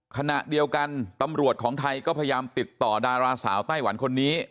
ขณะเดียวกันตำรวจของไทยก็พยายามติดต่อดาราสาวไต้หวันคนนี้